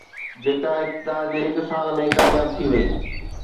جيڪا اقتدار جي هڪ سال ۾ ڪامياب ٿي وئي